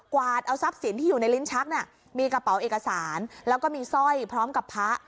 วาดเอาทรัพย์สินที่อยู่ในลิ้นชักน่ะมีกระเป๋าเอกสารแล้วก็มีสร้อยพร้อมกับพระ